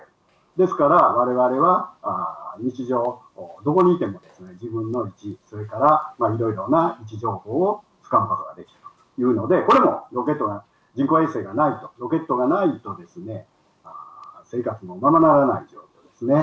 ですから、われわれは日常、どこにいても自分の位置、それからいろいろな位置情報を使うことができるというので、これもロケット、人工衛星がないと、ロケットがないとですね、生活もままならないんですね。